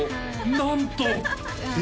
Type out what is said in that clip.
なんと！